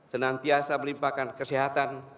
senantiasa melimpahkan kesehatan